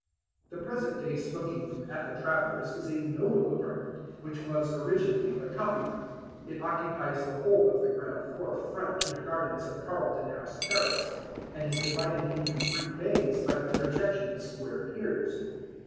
_ The present day smoking room at the Travellers' is a noble apartment, which was originally the coffee room. It occupies the whole of the ground floor front to the gardens of Carlton House Terrace, and is divided into three bays by the projection of square piers.